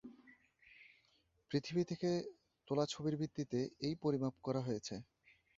পৃথিবী থেকে তোলা ছবির ভিত্তিতে এই পরিমাপ করা হয়েছে।